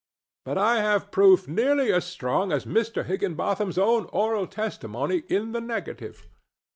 But I have proof nearly as strong as Mr. Higginbotham's own oral testimony in the negative.